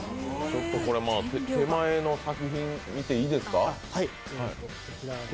ちょっと手前の作品見ていいですか？